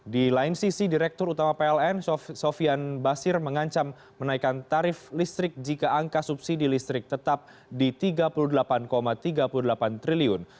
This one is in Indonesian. di lain sisi direktur utama pln sofian basir mengancam menaikkan tarif listrik jika angka subsidi listrik tetap di rp tiga puluh delapan tiga puluh delapan triliun